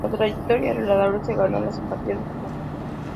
La trayectoria de Lauder se ganó la simpatía de todo el mundo.